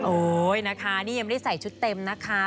โอ๊ยนะคะนี่ยังไม่ได้ใส่ชุดเต็มนะคะ